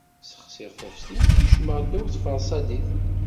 Sexsiɣ taftilt, kecmeɣ ddaw tfarsadit.